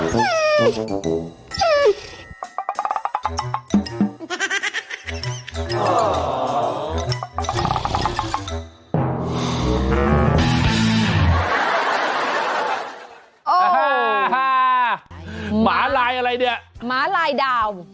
ฮ่าหมาลายอะไรเนี่ยหมาลายดาว